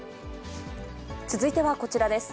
続いてはこちらです。